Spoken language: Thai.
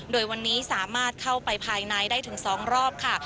โดยวันนี้สามารถเข้าไปภายในได้ถึง๒รอบค่ะ